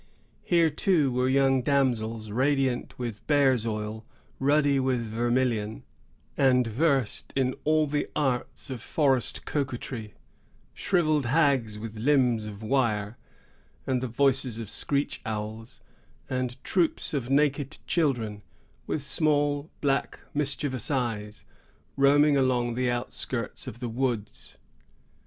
Here too were young damsels, radiant with bears' oil, ruddy with vermilion, and versed in all the arts of forest coquetry; shrivelled hags, with limbs of wire, and the voices of screech owls; and troops of naked children, with small, black, mischievous eyes, roaming along the outskirts of the woods.